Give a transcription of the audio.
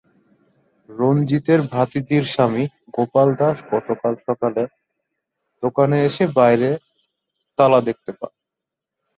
রঞ্জিতের ভাতিজির স্বামী গোপাল দাস গতকাল সকালে দোকানে এসে বাইরে তালা দেখতে পান।